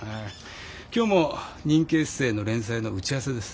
今日も人気エッセーの連載の打ち合わせです。